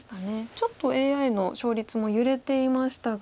ちょっとＡＩの勝率も揺れていましたが。